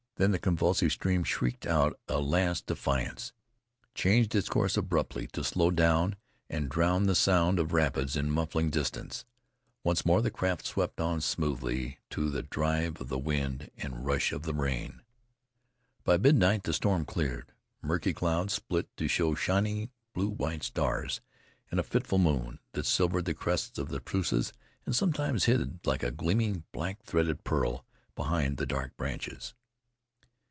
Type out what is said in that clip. Then the convulsive stream shrieked out a last defiance, changed its course abruptly to slow down and drown the sound of rapids in muffling distance. Once more the craft swept on smoothly, to the drive of the wind and the rush of the rain. By midnight the storm cleared. Murky cloud split to show shining, blue white stars and a fitful moon, that silvered the crests of the spruces and sometimes hid like a gleaming, black threaded peak behind the dark branches.